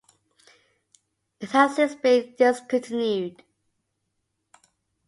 It has since been discontinued.